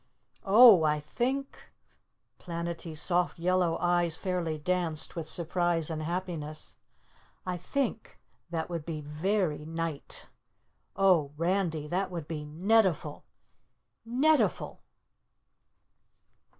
"Oh, I think " Planetty's soft yellow eyes fairly danced with surprise and happiness "I think that would be very nite. Oh, Randy, that would be netiful, netiful!"